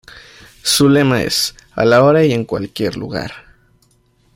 Su lema es "A la hora y en cualquier lugar".